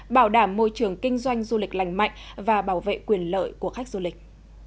bảo đảm môi trường kinh doanh du lịch lành mạnh và bảo vệ quyền lợi của khách du lịch